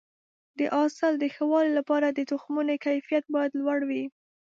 د حاصل د ښه والي لپاره د تخمونو کیفیت باید لوړ وي.